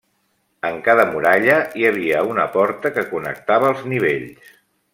En cada muralla hi havia una porta que connectava els nivells.